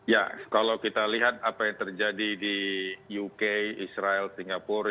ya kalau kita lihat apa yang terjadi di uk israel singapura